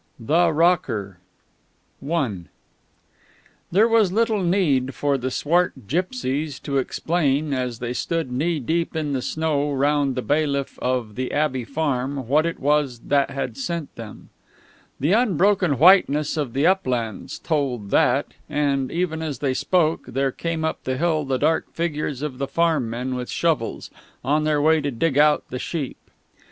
_" THE ROCKER I There was little need for the swart gipsies to explain, as they stood knee deep in the snow round the bailiff of the Abbey Farm, what it was that had sent them. The unbroken whiteness of the uplands told that, and, even as they spoke, there came up the hill the dark figures of the farm men with shovels, on their way to dig out the sheep.